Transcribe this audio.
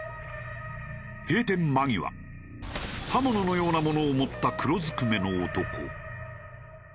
閉店間際刃物のようなものを持った黒ずくめの男。